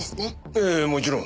ええもちろん。